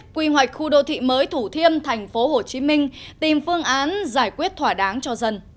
khu đô thị mới thủ thiêm tp hcm tìm phương án giải quyết thỏa đáng cho dân